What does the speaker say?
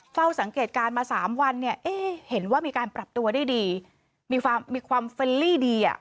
เฝ้าสังเกตการณ์มาสามวันเนี่ยเอ๊ะเห็นว่ามีการปรับตัวได้ดีมีความมีความเฟลลี่ดีอ่ะ